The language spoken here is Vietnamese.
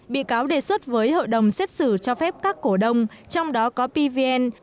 bị cáo đề xuất với hội đồng xét xử cho phép các cổ đông trong đó có pvn